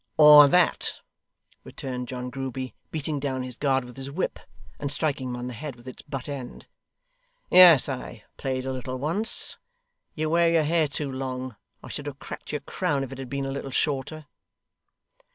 ' Or that,' returned John Grueby, beating down his guard with his whip, and striking him on the head with its butt end. 'Yes, I played a little once. You wear your hair too long; I should have cracked your crown if it had been a little shorter.